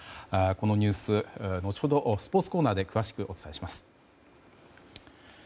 このニュース後ほど、スポーツコーナーで詳しくお伝えします。